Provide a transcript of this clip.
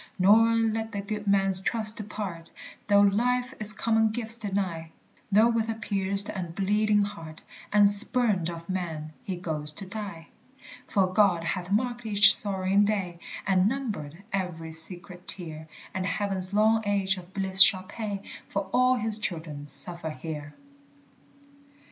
Nor let the good man's trust depart, Though life its common gifts deny, Though with a pierced and bleeding heart, And spurned of men, he goes to die. For God hath marked each sorrowing day And numbered every secret tear, And heaven's long age of bliss shall pay For all his children suffer here.